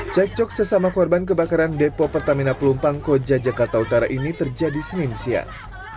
cekcok sesama korban kebakaran depo pertamina pelumpang koja jakarta utara ini terjadi senin siang